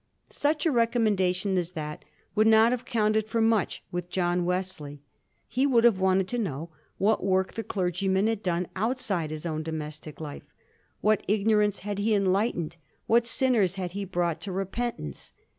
Such a recommendation as that would not have counted for much with John Wesley. He would have wanted to know what work the clergy man had done outside his own domestic life; what igno rance had he enlightened, what sinners had he brought to repentance.